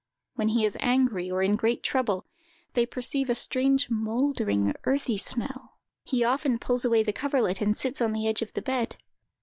When he is angry, or in great trouble, they perceive a strange mouldering, earthy smell. He often pulls away the coverlet, and sits on the edge of the bed.